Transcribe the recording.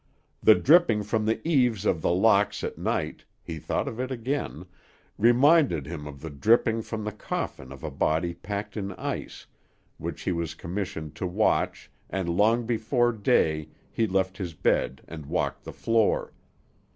The dripping from the eaves of The Locks at night he thought of it again reminded him of the dripping from the coffin of a body packed in ice, which he was commissioned to watch, and long before day he left his bed and walked the floor.